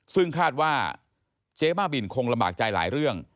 ซึ่งคาดว่าเจ๊บ้าบินคงลำบากใจหลายเรื่อง